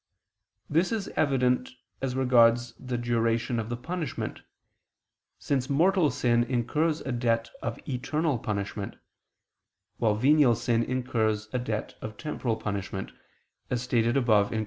This is evident as regards the duration of the punishment, since mortal sin incurs a debt of eternal punishment, while venial sin incurs a debt of temporal punishment, as stated above (Q.